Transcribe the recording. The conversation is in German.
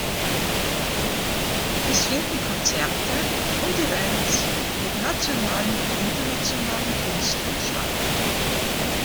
Es finden Konzerte und Events mit nationalen und internationalen Künstlern statt.